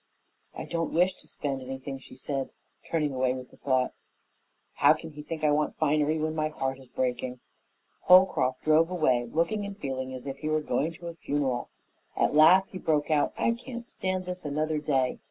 "I don't wish to spend anything," she said, turning away with the thought, "How can he think I want finery when my heart is breaking?" Holcroft drove away, looking and feeling as if he were going to a funeral. At last he broke out, "I can't stand this another day.